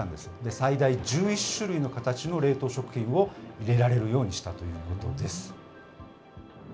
最大１１種類の形の冷凍食品を入れられるようにしたということです。